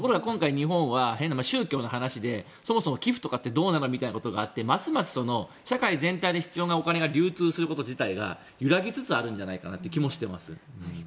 日本は宗教の話でそもそも寄付とかってどうなのみたいな話があってますます世の中で必要なお金が流通すること自体が揺らぎつつある気もしています。